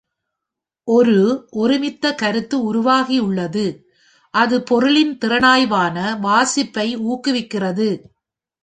ஒரு ஒருமித்த கருத்து உருவாகியுள்ளது, அது பொருளின் திறனாய்வான வாசிப்பை ஊக்குவிக்கிறது.